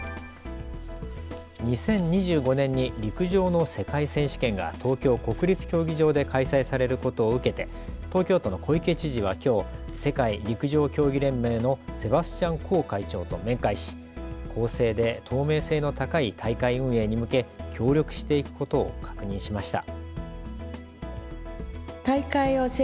２０２５年に陸上の世界選手権が東京国立競技場で開催されることを受けて、東京都の小池知事はきょう、世界陸上競技連盟のセバスチャン・コー会長と面会し公正で透明性の高い大会運営に向け協力していくことを確認しました。